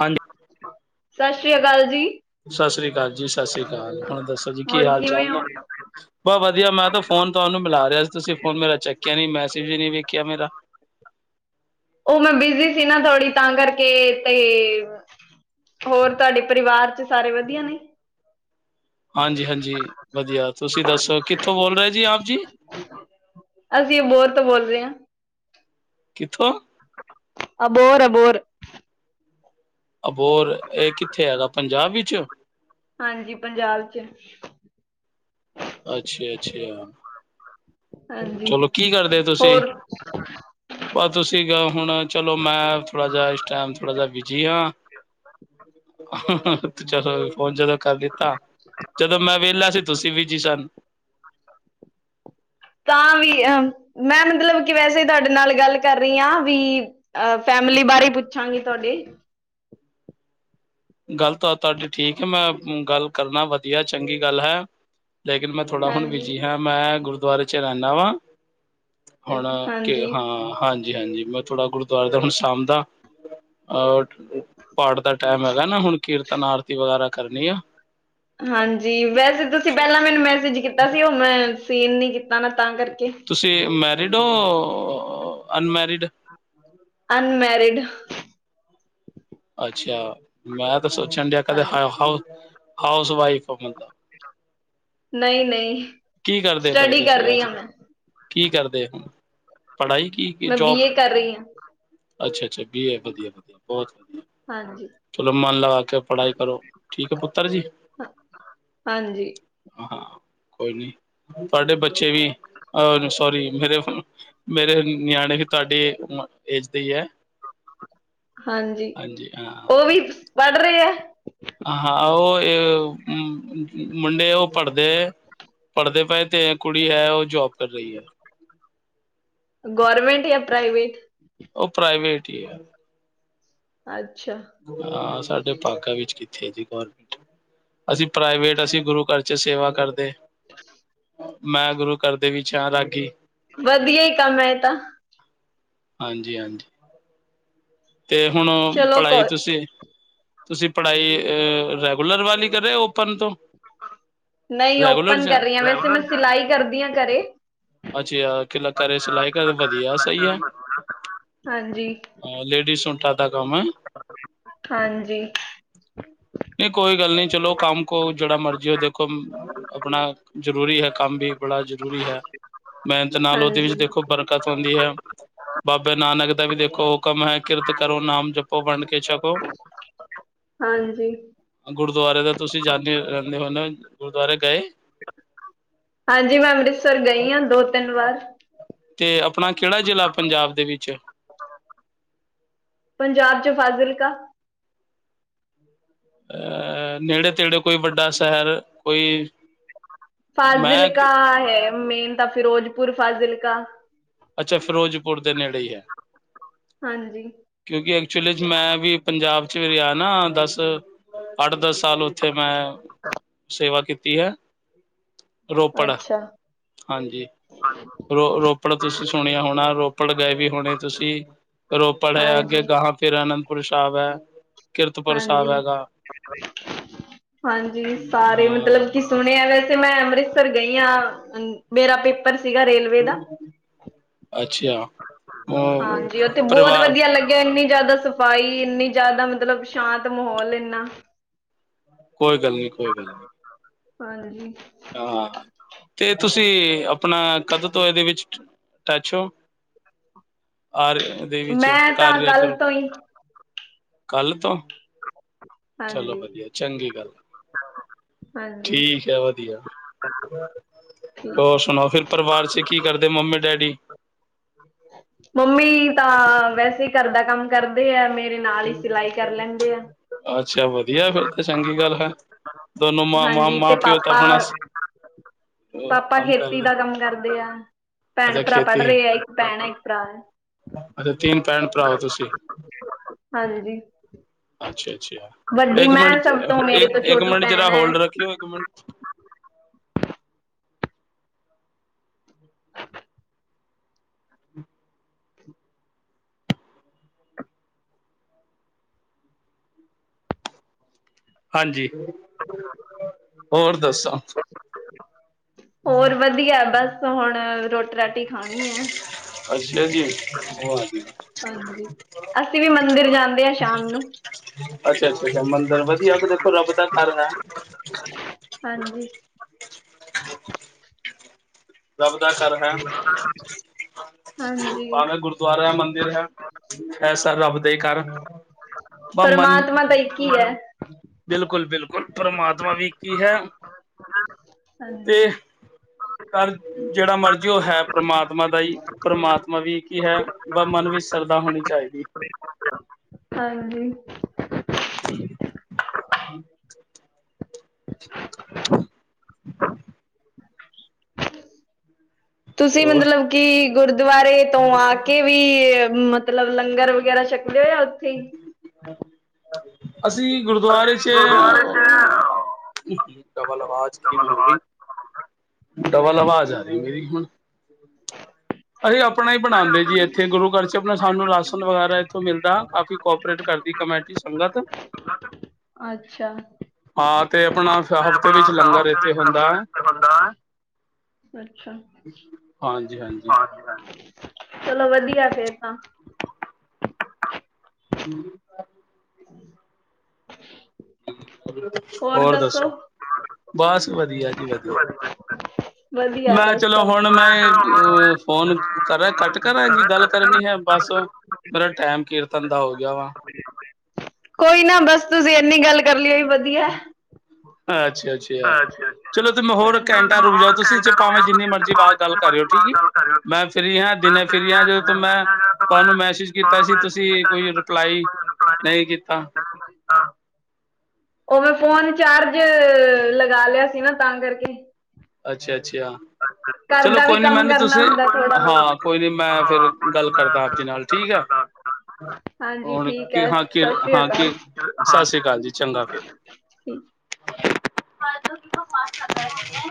ਹਾਂਜੀ ਸਤਿ ਸ੍ਰੀ ਅਕਾਲ ਜੀ ਸਤਿ ਸ੍ਰੀ ਅਕਾਲ ਜੀ ਸਤਿ ਸ਼੍ਰੀ ਅਕਾਲ ਹੁਣ ਦੱਸੋ ਜੀ ਕੀ ਹੋਰ ਹਾਲ ਕਿਵੇਂ ਚਾਲ ਹੋ? ਨੇ ਬਹੁਤ ਵਧੀਆ ਮੈਂ ਤਾਂ ਫੋਨ ਤੁਹਾਨੂੰ ਮਿਲਾ ਰਿਹਾ ਸੀ ਤੁਸੀਂ ਫੋਨ ਮੇਰਾ ਚੱਕਿਆ ਨੀ ਮੈਸੇਜ ਵੀ ਨਹੀਂ ਵੇਖਿਆ ਮੇਰਾ ਉਹ ਮੈਂ ਬਿਜ਼ੀ ਸੀ ਨਾ ਥੋੜੀ ਤਾਂ ਕਰਕੇ ਤੇ ਹੋਰ ਤੁਹਾਡੇ ਪਰਿਵਾਰ ਚ ਸਾਰੇ ਵਧੀਆ ਨੇ ਹਾਂਜੀ-ਹਾਂਜੀ ਵਧੀਆ ਤੁਸੀਂ ਦੱਸੋ ਕਿੱਥੋਂ ਬੋਲ ਰਹੇ ਜੀ ਆਪ ਜੀ ਅਸੀਂ ਅਬੋਹਰ ਤੋਂ ਬੋਲਦੇ ਹਾਂ ਕਿੱਥੋਂ ਅਬੋਰ-ਅਬੋਰ ਅਬੋਰ ਇਹ ਕਿੱਥੇ ਹੈਗਾ ਪੰਜਾਬ ਵਿੱਚ ਹਾਂਜੀ ਪੰਜਾਬ ਚ ਅੱਛਾ-ਅੱਛਾ, ਹਾਂਜੀ ਚਲੋ ਕੀ ਕਰਦੇ ਤੁਸੀਂ? ਹੋਰ ਬ ਤੁਸੀਂ, ਹੁਣ ਚਲੋ। ਮੈਂ ਥੋੜਾ ਜਿਹਾ ਇਸ ਟਾਈਮ ਥੋੜਾ ਜਿਹਾ ਬਿਜੀ ਹਾਂ। ਅਹ-ਅਹ, ਚਲੋ ਫੋਨ ਜਦੋਂ ਕਰ ਲਿਤਾ। ਜਦੋਂ ਮੈਂ ਵਿਹਲਾ ਸੀ ਤੁਸੀਂ ਬੀਜੀ ਸਨ- [unintelligible] ਤਾਂ ਵੀ ਅਹ, ਮੈਂ ਮਤਲਬ ਕਿ ਵੈਸੇ ਹੀ ਤੁਹਾਡੇ ਨਾਲ ਗੱਲ ਕਰ ਰਹੀ ਹਾਂ ਵੀ- ਅ, ਫੈਮਿਲੀ ਬਾਰੇ ਪੁੱਛਾਂਗੀ ਤੁਹਾਡੇ। ਗੱਲ ਤਾਂ ਤੁਹਾਡੀ ਠੀਕ ਹੈ, ਮੈਂ ਗੱਲ ਕਰਨਾ ਵਧੀਆ ਚੰਗੀ ਗੱਲ ਹੈ। ਲੇਕਿਨ, ਮੈਂ ਥੋੜ੍ਹਾ ਹੁਣ ਹਾਂਜੀ ਬਿਜੀ ਹਾਂ। ਮੈਂ ਗੁਰਦੁਆਰੇ ਚ ਰਹਿੰਦਾ ਵਾਂ। ਹੁਣ ਕੇ ਹਾਂਜੀ ਹਾਂ, ਹਾਂਜੀ- ਹਾਂਜੀ ਮੈਂ ਥੋੜ੍ਹਾ ਗੁਰਦੁਆਰੇ ਦਾ ਹੁਣ ਸਾਂਭਦਾ- ਅਹ ਪਾਠ ਦਾ ਟਾਈਮ ਹੈਗਾ ਨਾ ਹੁਣ, ਕੀਰਤਨ ਆਰਤੀ ਵਗੈਰਾ ਕਰਨੀ ਆ। ਹਾਂਜੀ- ਵੈਸੇ ਤੁਸੀਂ ਪਹਿਲਾਂ ਮੈਨੂੰ ਮੈਸੇਜ ਕੀਤਾ ਸੀ। ਉਹ ਮੈਂ ਸੀਨ ਨੀ ਕੀਤਾ ਤਾਂ ਕਰਕੇ! ਤੁਸੀਂ ਮੈਰਿਡ ਹੋ ਅਨਮੈਰਿਡ। ਅਨਮੈਰਿਡ ਅੱਛ- ਮੈਂ ਤਾਂ ਸੋਚਣ ਡ ਕਦੇ ਹਾਊਸ ਵਾਈਫ ਆ ਮਤਲਬ ਨਹੀਂ-ਨਹੀਂ ਕੀ, ਕਰਦੇ ਭਾਈ ਤੁਸੀਂ ਅੱਜ ਕੱਲ। ਕੀ ਕਰਦੇ ਹੁਣ ਪੜ੍ਹਾਈ ਕੀ ਕੀ ਮੈਂ ਜੋਬ ਬੀ ਏ ਕਰ ਰਹੀ ਹਾਂ ਅੱਛਾ-ਅੱਛਾ ਹੈ ਵਧੀਆ ਵਧੀਆ ਬਹੁਤ ਵਧੀਆ ਹਾਂਜੀ ਚਲੋ ਮਨ ਲਗਾ ਕੇ ਪੜ੍ਹਾਈ ਕਰੋ ਠੀਕ ਹੈ ਪੁੱਤਰ ਜੀ ਹਾਂਜੀ ਹ ਕੋਈ ਨੀ, ਤੁਹਾਡੇ ਬੱਚੇ ਵੀ ਅਹ, ਸੋਰੀ ਮੇਰੇ ਮੇਰੇ ਨਿਆਣੇ ਵੀ ਤੁਹਾਡੀ ਏਜ ਦੀ ਹੈ। ਹਾਂਜੀ, ਉਹ ਵੀ ਪੜ੍ਹ ਰਹੇ ਹੈ। ਹਾਂ, ਉਹ ਇਹ ਮੁੰਡੇ ਉਹ ਪੜ੍ਹਦੇ ਪੜ੍ਹਦੇ ਪਏ, ਤੇ ਕੁੜੀ ਹੈ ਉਹ ਜੋਬ ਕਰ ਰਹੀ ਹੈ। ਗੌਰਰਮੈਂਟ ਜਾਂ ਪ੍ਰਾਈਵੇਟ ਉਹ ਪ੍ਰਾਈਵੇਟ ਹੀ ਹੈ। ਅੱਛਾ ਹਾਂ, ਸਾਡੇ ਭਾਗਾਂ ਵਿੱਚ ਕਿੱਥੇ ਜੀ ਗੌਰਮਿੰਟ ਅਸੀਂ ਪ੍ਰਾਈਵੇਟ ਅਸੀਂ ਗੁਰੂ ਘਰ ਚ ਸੇਵਾ ਕਰਦੇ। [unintelligible] ਮੈਂ ਗੁਰੂ ਘਰ ਦੇ ਵਿੱਚ ਹਾ ਰਾਗੀ। ਵਧੀਆ ਹੀ ਕੰਮ ਹੈ। ਇਹ ਤਾਂ ਹਾਂਜੀ-ਹਾਂਜੀ ਤੇ ਹੁਣ, ਚਲੋ ਪੜ੍ਹਾਈ ਕੋ ਤੁਸੀਂ ਤੁਸੀਂ ਪੜ੍ਹਾਈ ਅ ਰੈਗੂਲਰ ਵੱਲ ਹੀ ਕਰ ਰਹੇ! ਓਪਨ ਤੋਂ- ਨਹੀਂ ਰੈਗੂਲਰ ਓਪਨ ਜਾਂ ਕਰ ਰਹੀ। ਵੈਸੇ ਮੈਂ ਸਿਲਾਈ ਕਰਦੀ ਹਾਂ, ਘਰੇ ਅੱਛਾ ਕਿਲਾ ਅ ਘਰੇ ਸਿਲਾਈ ਕਰ ਵਧੀਆ ਸਹੀ ਹਾਂਜੀ [unintelligible] ਲੇਡੀਸ ਸੂਟਾਂ ਦਾ ਕੰਮ ਏ। ਹਾਂਜੀ ਨਹੀਂ ਕੋਈ ਗੱਲ ਨੀ ਚਲੋ ਕੰਮ ਕੋ ਜਿਹੜਾ ਮਰਜ਼ੀ, ਉਹ ਦੇਖੋ ਆਪਣਾ। ਜ਼ਰੂਰੀ ਹੈ ਕੰਮ ਵੀ ਬੜਾ ਜ਼ਰੂਰੀ ਹੈ, ਮਿਹਨਤ ਨਾਲ ਉਹਦੇ ਹਾਂਜੀ ਵਿੱਚ ਦੇਖੋ ਪਰ ਹੁੰਦੀ ਹੈ। ਬਾਬੇ ਨਾਨਕ ਦਾ ਵੀ ਦੇਖੋ ਹੁਕਮ ਹੈ, ਕਿਰਤ ਕਰੋ ਨਾਮ ਜਪੋ ਵੰਡ ਕੇ ਛਕੋ। ਕੇ ਛਕੋ। ਹਾਂਜੀ ਗੁਰਦੁਆਰੇ ਤਾਂ ਤੁਸੀਂ ਜਾਂਦੇ ਰਹਿੰਦੇ ਹੁੰਦੇ ਹੋ। ਗੁਰਦੁਆਰੇ ਗਏ। ਹਾਂਜੀ, ਮੈਂ ਅੰਮ੍ਰਿਤਸਰ ਗਈ ਹਾਂ ਦੋ ਤਿੰਨ ਵਾਰ। ਤੇ, ਆਪਣਾ ਕਿਹੜਾ ਜ਼ਿਲ੍ਹਾ ਪੰਜਾਬ ਦੇ ਵਿੱਚ। ਪੰਜਾਬ ਚ ਫਾਜ਼ਿਲਕਾ। ਅਹ ਨੇੜੇ ਤੇੜੀਉ ਕੋਈ ਵੱਡਾ ਸ਼ਹਿਰ ਕੋਈ। ਮੈਂ ਫਾਜ਼ਿਲਕਾ ਕਾ ਹੈ ਮੇਨ ਤਾਂ ਫਿਰੋਜ਼ਪੁਰ ਫਾਜ਼ਿਲਕਾ। ਅੱਛਾ ਫਿਰੋਜ਼ਪੁਰ ਦੇ ਨੇੜੇ ਹੀ ਹੈ। ਹਾਂਜੀ। ਕਿਉਂਕਿ ਐਕਚੁਲੀ 'ਚ ਮੈਂ ਵੀ ਪੰਜਾਬ 'ਚ ਰਿਹਾ ਨਾ ਦਸ। ਅੱਠ ਦਸ ਸਾਲ ਉੱਥੇ ਮੈਂ ਸੇਵਾ ਕੀਤੀ ਹੈ। ਰੋਪੜ ਅੱਛਾ। ਹਾਂਜੀ ਰੋ ਰੋਪੜ। ਤੁਸੀਂ ਸੁਣਿਆ ਹੋਣਾ ਰੋਪੜ ਗਏ ਵੀ ਹੋਣੇ ਤੁਸੀਂ ਰੋਪੜ ਹੈ। ਅੱਗੇ ਹਾਂਜੀ, ਜਾਕੇ ਗਾਹਾਂ। ਫਿਰ ਅਨੰਦਪੁਰ ਸ਼ਾਹਿਬ ਏ। ਹਾਂਜੀ ਹਾਂਜੀ ਸਾਰੇ ਹਾਂ ਮਤਲਬ ਕਿ। ਸੁਣਿਆ ਵੈਸੇ ਮੈਂ ਅੰਮ੍ਰਿਤਸਰ ਗਈ ਆਂ। ਮੇਰਾ ਪੇਪਰ ਸੀਗਾ ਰੇਲਵੇ ਦਾ। ਅੱਛਾ ਉਹ ਪਰਿਵਾਰ। ਕਿ ਇੰਨੀ ਜ਼ਿਆਦਾ ਸਫ਼ਾਈ ਇੰਨੀ ਜ਼ਿਆਦਾ ਮਤਲਬ ਸ਼ਾਂਤ ਮਾਹੌਲ ਇੰਨਾ। ਕੋਈ ਗੱਲ ਨਹੀਂ ਕੋਈ ਗੱਲ ਨਹੀਂ। ਹਾਂਜੀ। ਹਾਂ ਤੇ ਤੁਸੀਂ ਆਪਣਾ ਕਦੋਂ ਤੋਂ ਇਹਦੇ ਵਿੱਚ। ਅ ਟੈਚੋ ਹੋ ਔਰ ਇਹਦੇ ਵਿੱਚ ਮੈਂ ਤਾਂ ਕਾਰਿਆ ਕੱਲ ਗਰੁੱਪ। ਤੋਂ ਹੀ ਕੱਲ੍ਹ ਤੋਂ। ਚਲੋ ਹਾਂਜੀ, ਵਧੀਆ ਚੰਗੀ ਗੱਲ ਹਾਂਜੀ ਠੀਕ ਹੈ ਵਧੀਆ। ਹੋਰ ਠੀਕ। ਸੁਣਾਓ, ਫਿਰ ਪਰਿਵਾਰ ਚ ਕੀ ਕਰਦੇ ਮੰਮੀ ਡੈਡੀ। [unintelligible] ਮੰਮੀ ਤਾਂ ਵੈਸੇ ਘਰ ਦਾ ਕੰਮ ਕਰਦੇ ਆ, ਮੇਰੇ ਨਾਲ ਹੀ ਸਿਲਾਈ ਕਰ ਲੈਂਦੇ ਆ। ਅੱਛਾ ਵਧੀਆ ਫਿਰ ਤਾਂ ਚੰਗੀ ਗੱਲ ਹੈ। ਦੋਨੋ ਮ ਹਾਂਜੀ ਤੇ ਮਾਂ ਪਿਓ ਤਾਂ ਆਪਣਾ। ਪਾਪਾ ਪਾਪਾ ਕੰਮ ਖੇਤੀ ਕਰਦੇ ਦਾ ਕੰਮ ਕਰਦੇ ਆ। ਭੈਣ ਅੱਛਾ ਭਰਾ ਪੜ੍ਹ ਖੇਤੀ ਹੈ ਰਹੇ ਆ ਇੱਕ ਭੈਣ ਹੈ। ਇੱਕ ਅੱਛਾ ਤਿੰਨ ਭੈਣ ਹੋ ਭਰਾ। ਤੁਸੀਂ ਹਾਂਜੀ। ਅੱਛਾ ਅੱਛਾ ਵੱਡੀ ਇੱਕ ਮੈਂ ਮਿੰਟ ਸਭ ਤੋਂ ਮੇਰੇ ਇੱਕ ਤੋਂ ਇੱਕ ਛੋਟੀ ਮਿੰਟ ਜਰਾ ਭੈਣ ਹੈ। ਹੋਲਡ ਰੱਖਿਓ ਇੱਕ ਮਿੰਟ। ਹਾਂਜੀ ਹੋਰ ਦੱਸੋ। [unintelligible] ਵਧੀਆ ਬਸ ਹੁਣ ਰੋਟੀ ਰਾਟੀ ਖਾਣੀ ਹੈ [unintelligible] ਅੱਛਾ ਜੀ। ਉਹ ਆ ਗਈ। ਹਾਂਜੀ ਅਸੀਂ ਵੀ ਮੰਦਿਰ ਜਾਂਦੇ ਹਾਂ ਸ਼ਾਮ ਨੂੰ। ਅੱਛਾ ਅੱਛਾ ਅੱਛਾ ਮੰਦਿਰ ਵਧੀਆ ਹੈ। ਇਹ ਤਾਂ ਦੇਖੋ ਰੱਬ ਦਾ ਘਰ ਹੈ। ਹਾਂਜੀ। ਰੱਬ ਦਾ ਘਰ ਹੈ ਹਾਂਜੀ। ਭਾਵੇਂ ਗੁਰ। ਗੁਰਦੁਆਰਾ, ਮੰਦਿਰ ਹੈ। ਇਹ ਸਭ ਰੱਬ ਦੇ ਘਰ। ਆਪਾਂ ਮਨ। ਪਰਮਾਤਮਾ ਤਾਂ ਇੱਕ ਹੀ ਹੈ ਬਿਲਕੁਲ ਬਿਲਕੁਲ ਪਰਮਾਤਮਾ ਵੀ ਇੱਕ ਹੀ ਹੈ ਤੇ। ਹਾਂਜੀ ਘਰ ਜਿਹੜਾ ਮਰਜ਼ੀ ਉਹ ਹੈ। ਪਰਮਾਤਮਾ ਦਾ ਈ। ਪਰਮਾਤਮਾ ਵੀ ਇੱਕ ਹੀ ਹੈ। ਬਸ ਮਨ ਵਿੱਚ ਸ਼ਰਧਾ ਹੋਣੀ ਚਾਹੀਦੀ ਹੈ। ਹਾਂਜੀ। ਹੂੰ। [unintelligible] [unintelligible] ਤੁਸੀਂ ਹੋਰ ਮਤਲਬ ਕਿ ਗੁਰਦੁਆਰੇ ਤੋਂ ਆ ਕੇ ਵੀ। ਮਤਲਬ ਲੰਗਰ ਵਗੈਰਾ ਛਕਦੇ ਹੋ ਜਾ ਉੱਥੇ ਹੀ। [unintelligible] ਅਸੀਂ ਗੁਰਦੁਆਰੇ 'ਚ। ਹਾਂ ਉਹ। ਹੂੰ ਪਹਿਲਾ ਆਵਾਜ਼ ਕਿ ਹੋ ਗਈ। ਡਬਲ ਅਵਾਜ਼ ਆ ਰਹੀ ਮੇਰੀ ਹੁਣ। ਅਸੀਂ ਆਪਣਾ ਹੀ ਬਣਾਉਂਦੇ ਜੀ ਇੱਥੇ ਗੁਰੂ ਘਰ ਆਪ ਸਾਨੂੰ ਰਾਸ਼ਨ ਵਗੈਰਾ ਇੱਥੋਂ ਮਿਲਦਾ, ਕਾਫੀ ਕੋਪਰੇਟ ਕਰਦੀ ਕਮੇਟੀ ਸੰਗਤ। ਅੱਛਾ। ਹਾਂ ਤੇ ਆਪਣਾ ਹਫ਼ਤੇ ਆਪਣਾ ਵਿੱਚ ਸਾਹਿਬ ਲੰਗਰ ਦੇ ਇੱਥੇ ਵਿੱਚ ਹੁੰਦਾ ਲੰਗਰ ਹੈ। ਇੱਥੇ ਹੁੰਦਾ ਹੈ ਅੱਛਾ, ਹਾਂਜੀ ਹਾਂਜੀ [unintelligible] ਚਲੋ ਵਧੀਆ ਫੇਰ ਤਾਂ। ਹੂੰ ਹੋਰ ਦੱਸੋ, ਬਸ ਵਧੀਆ ਜੀ, ਵਧੀਆ। ਵਧੀਆ ਮੈਂ ਬਸ ਚਲੋ ਸਭ ਹੁਣ ਮੈਂ, ਚਲੋ ਹੁਣ ਅ ਫੋਨ ਕਰਾਂ ਕੱਟ ਮੈਂ ਕਰਾਂ, ਕੀ ਗੱਲ ਕੱਟ ਕਰਨੀ ਐ, ਬਸ ਕਰਾਂ ਮੇਰਾ ਟੈਮ ਕੀਰਤਨ ਦਾ ਹੋ ਗਿਆ ਵਾ। ਕੋਈ ਨਾ ਬਸ, ਤੁਸੀਂ ਐਨੀ ਗੱਲ ਕਰ ਲੀ ਓਹੀ ਵਧੀਆ। ਅੱਛਾ- ਅੱਛਾ, ਚਲੋ ਤੁ ਹੋਰ ਘੰਟਾ ਤੁਸੀਂ ਰੁਕ ਜਾਓ, ਹੋਰ ਤੁਸੀਂ ਚ ਘੰਟਾ ਰੁਕ ਭਾਵੇਂ ਜਾਓ ਜਿੰਨੀ ਤੁਸੀਂ ਤੇ ਮਰਜ਼ੀ ਭਾਵੇਂ ਬਾਹਰ ਗੱਲ ਜਿੰਨੇ ਕਰਿਓ ਮਰਜ਼ੀ ਠੀਕ ਬਾਅਦ ਈ, ਗੱਲ ਕਰਿਓ ਮੈਂ ਫਰੀ ਹਾਂ, ਮੈਂ ਦਿਨੇ ਫਿਰ ਫਰੀ ਹਾਂ, ਨਾ ਜਦੋਂ ਤੋਂ ਦਿਨੇ ਮੈਂ ਸੁਣਿਆ ਗਿਆ ਤਾਂ ਤੁਹਾਨੂੰ ਮੈਂ ਮੈਸੇਜ ਤੁਹਾਨੂੰ ਕੀਤਾ ਸੀ, ਮੈਸੇਜ ਤੁਸੀਂ ਕੀਤਾ ਕੋਈ ਸੀ ਤੁਸੀਂ ਰਿਪਲਾਈ ਕੋਈ ਰਿਪਲਾਈ ਨਹੀਂ ਕੀਤਾ। ਨਹੀਂ ਕੀਤਾ ਉਹ ਮੈਂ ਫੋਨ ਚਾਰਜ ਲਗਾ ਲਿਆ ਸੀ ਨਾ, ਤਾਂ ਕਰਕੇ। ਅੱਛਾ- ਅੱਛਾ, ਅੱਛਾ ਘਰ ਚਲੋ ਦਾ ਵੀ ਕੋਈ ਨਹੀਂ ਕੰਮ ਮੈਨੂੰ ਕਰਨਾ ਤੁਸੀਂ, ਹੁੰਦਾ ਥੋੜਾ ਬਹੁਤ ਹਾਂ ਬਹੁਤ ਕੋਈ ਨੀ ਮੈਂ ਫੇਰ ਹਾਂ ਕੋਈ ਗੱਲ ਨਾ ਮੈਂ ਕਰਦਾ ਆਪ ਫਿਰ ਜੀ ਨਾਲ, ਗੱਲ ਠੀਕ ਐ। ਕਰਦਾ ਹਾਂਜੀ ਹੁਣ ਠੀਕ ਕਿ ਹੈ ਹਾਂ ਕਿ- ਸਤਿ ਸ਼੍ਰੀ ਹਾਂ ਅਕਾਲ ਕਿ, ਸਸ਼ ਰੀ ਹਾਂ ਕਾਲ ਜੀ, ਚੰਗਾ ਫੇਰ।